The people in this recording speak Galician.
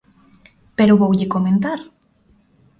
Pero voulle comentar.